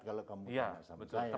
kalau kamu mengatakan saya